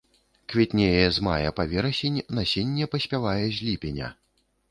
Квітнее з мая па верасень, насенне паспявае з ліпеня.